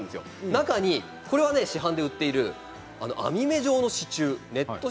中に市販で売っている網目状の支柱ネット